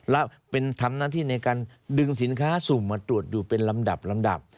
แล้วเป็นทำหน้าที่ในการดึงสินค้าสุ่มมาตรวจอยู่เป็นลำดับลำดับ